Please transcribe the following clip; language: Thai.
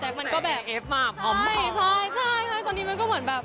แจ๊คมันก็แบบใช่ตอนนี้มันก็เหมือนแบบ